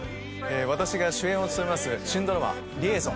私が主演を務めます新ドラマ『リエゾン』。